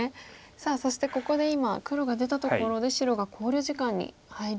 さあそしてここで今黒が出たところで白が考慮時間に入りました。